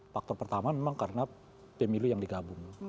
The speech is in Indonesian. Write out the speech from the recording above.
faktor pertama memang karena pemilu yang digabung